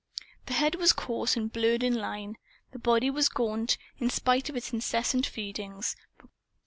The head was coarse and blurred in line. The body was gaunt, in spite of its incessant feedings.